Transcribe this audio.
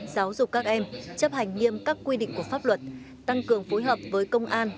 giáo dục các em chấp hành nghiêm các quy định của pháp luật tăng cường phối hợp với công an